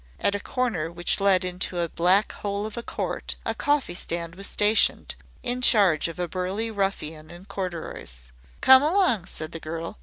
At a corner which led into a black hole of a court, a coffee stand was stationed, in charge of a burly ruffian in corduroys. "Come along," said the girl.